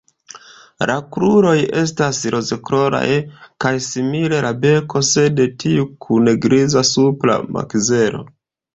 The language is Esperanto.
La kruroj estas rozkoloraj kaj simile la beko, sed tiu kun griza supra makzelo.